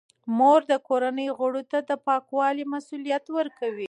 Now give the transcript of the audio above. مور د کورنۍ غړو ته د پاکولو مسوولیت ورکوي.